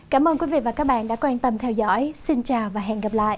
cảm ơn quý vị và các bạn đã quan tâm theo dõi xin chào và hẹn gặp lại